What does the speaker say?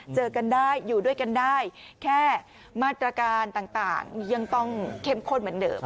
เจอกันได้อยู่ด้วยกันได้แค่มาตรการต่างยังต้องเข้มข้นเหมือนเดิม